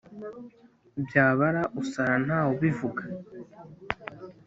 Byabara usara nta wu bivuga